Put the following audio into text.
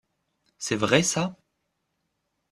C’est vrai ça?